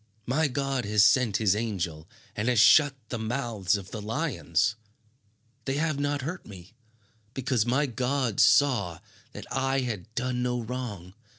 My God has sent his angel and has shut the mouths of the lions. They have not hurt me, because my God saw that I had done no wrong.